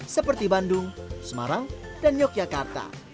seperti bandung semarang dan yogyakarta